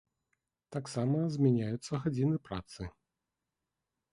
Таксама змяняюцца гадзіны працы.